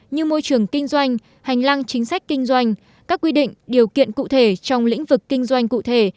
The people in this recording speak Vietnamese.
như môi trường kinh doanh hành lang chính sách kinh doanh các quy định điều kiện cụ thể trong lĩnh vực kinh doanh cụ thể